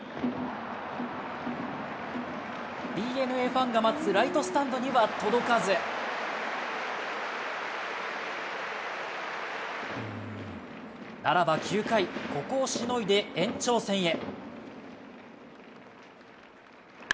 ＤｅＮＡファンが待つライトスタンドには届かずならば９回ここをしのいで延長戦へ。